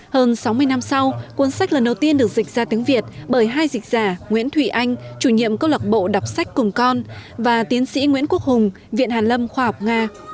hơn sáu mươi năm sau cuốn sách lần đầu tiên được dịch ra tiếng việt bởi hai dịch giả nguyễn thụy anh chủ nhiệm cơ lọc bộ đọc sách cùng con và tiến sĩ nguyễn quốc hùng viện hàn lâm khoa học nga